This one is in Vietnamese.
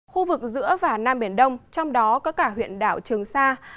khu vực giữa và nam biển đông trong đó có cả huyện đảo trường sa